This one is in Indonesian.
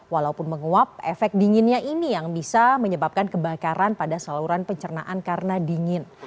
walaupun menguap efek dinginnya ini yang bisa menyebabkan kebakaran pada saluran pencernaan karena dingin